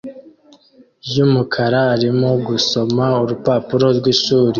r yumukara arimo gusoma urupapuro mwishuri